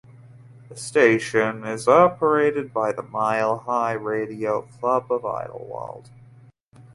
The station is operated by the Mile High Radio Club of Idyllwild.